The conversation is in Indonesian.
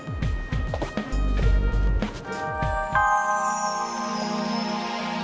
jalan bukan lo yang jalan